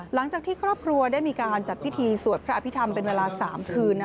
หลังจากที่ครอบครัวได้มีการจัดพิธีสวดพระอภิษฐรรมเป็นเวลา๓คืน